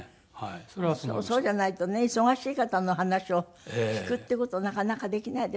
そうじゃないとね忙しい方の話を聞くっていう事なかなかできないですもんね。